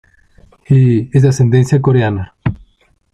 Lee es de ascendencia coreana.